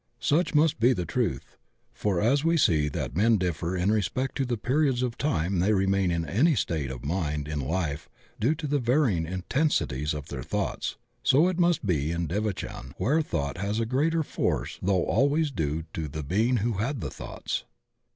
Such must be the truth, for as we see that men differ in respect to the periods of time they remain in any state of mind in life due to the varying intensities of their thoughts, so it must be in devachan where thought has a greater force though always due to the being who had the thoughts.